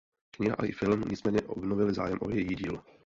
Kniha i film nicméně obnovily zájem o její dílo.